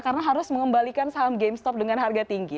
karena harus mengembalikan saham gamestop dengan harga tinggi